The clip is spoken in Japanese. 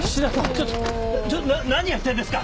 ちょっとちょっ何やってるんですか！